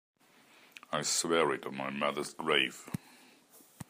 I swear it on my mother's grave.